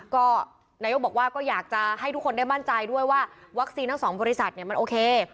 ก็นายกบอกว่าก็อยากจะให้ทุกคนได้มั่นใจด้วยว่าวัคซีนทั้งสองบริษัทเนี่ยมันโอเค